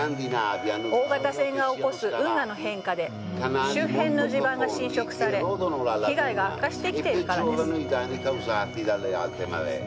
大型船が起こす運河の変化で周辺の地盤が浸食され被害が悪化してきているからです。